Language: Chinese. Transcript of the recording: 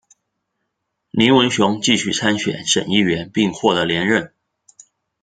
林文雄继续参选省议员并获得连任。